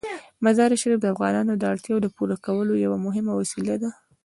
مزارشریف د افغانانو د اړتیاوو د پوره کولو یوه مهمه وسیله ده.